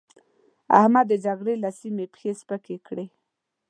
احمد د جګړې له سيمې پښې سپکې کړې.